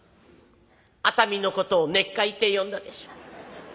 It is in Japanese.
「『熱海』のことを『ねっかい』って読んだでしょ。